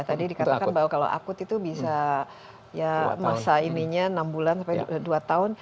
tadi dikatakan bahwa kalau akut itu bisa ya masa ininya enam bulan sampai dua tahun